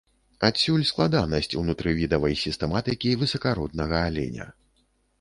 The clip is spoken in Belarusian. Адсюль складанасць унутрывідавай сістэматыкі высакароднага аленя.